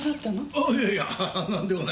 ああいやいやなんでもない。